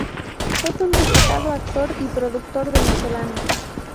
Es un destacado actor y productor venezolano.